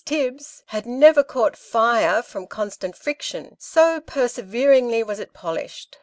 TIBBS," had never caught fire from constant friction, so perseveringly was it polished.